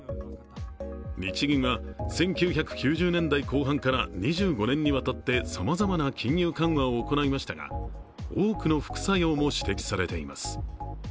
日銀は１９９０年後半から２５年にわたってさまざまな金融緩和を行いましたが多くの副作用も指摘されています。